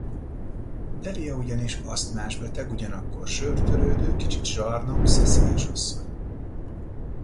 Delia ugyanis asztmás beteg, ugyanakkor zsörtölődő, kicsit zsarnok, szeszélyes asszony.